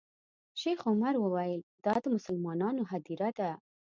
شیخ عمر وویل دا د مسلمانانو هدیره ده.